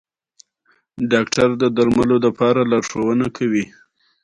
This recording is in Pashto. منی د افغانانو د معیشت سرچینه ده.